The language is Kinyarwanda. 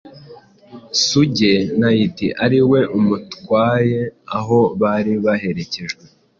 Suge Knight ari we umutwaye aho bari baherekejwe